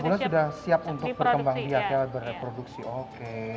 lima bulan sudah siap untuk berkembang biak ya berproduksi oke